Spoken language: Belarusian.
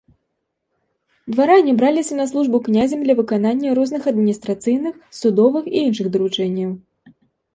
Дваране браліся на службу князем для выканання розных адміністрацыйных, судовых і іншых даручэнняў.